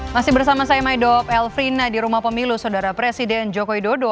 masih bersama saya midop elfrina di rumah pemilu saudara presiden joko widodo